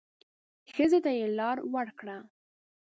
ښځې ته يې لار ورکړه.